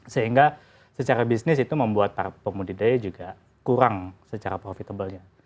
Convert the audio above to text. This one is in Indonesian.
sehingga secara bisnis itu membuat para pembudidaya juga kurang secara profitable nya